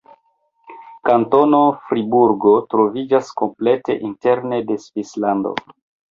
Kantono Friburgo troviĝas komplete interne de Svislando.